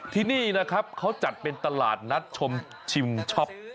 ที่นี่นะครับเขาจัดเป็นตลาดนัดชมชิมช็อป